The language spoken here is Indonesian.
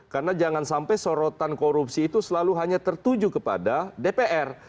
karena jangan sampai sorotan korupsi itu selalu hanya tertuju kepada dpr